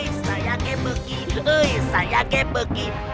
hei saya kebegin hei saya kebegin